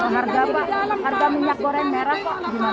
harga minyak goreng merah kok gimana